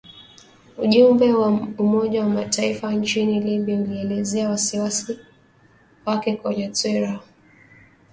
Ujumbe wa Umoja wa Mataifa nchini Libya ulielezea wasiwasi wake kwenye twitter